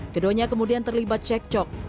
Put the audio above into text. keduanya kemudian terlibat cek cok